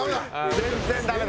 全然ダメだ。